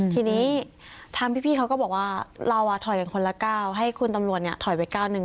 ทีนี้ทางพี่เขาก็บอกว่าเราถอยกันคนละก้าวให้คุณตำรวจเนี่ยถอยไปก้าวหนึ่ง